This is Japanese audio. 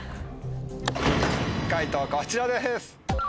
解答こちらです。